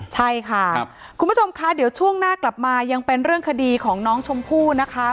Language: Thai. ใช่ค่ะคุณผู้ชมคะเดี๋ยวช่วงหน้ากลับมายังเป็นเรื่องคดีของน้องชมพู่นะคะ